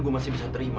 gue masih bisa terima